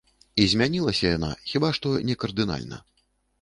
І змянілася яна хіба што не кардынальна.